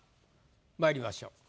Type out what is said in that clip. まいりましょう。